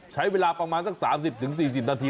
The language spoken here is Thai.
ใช้เวลาประมาณสัก๓๐๔๐นาที